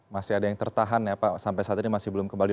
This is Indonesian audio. masih ada yang tertahan ya pak sampai saat ini masih belum kembali